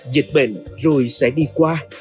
dịch bệnh rồi sẽ đi qua